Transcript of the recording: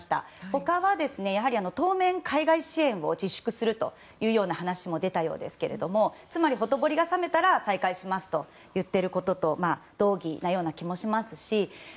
他は、やはり当面海外支援を自粛するというような話も出たようですけれどもつまりほとぼりが冷めたら再開しますと言っていることと同義なような気もしますし。